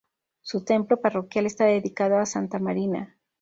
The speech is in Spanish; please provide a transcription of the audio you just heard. Su templo parroquial está dedicado a Santa Marina.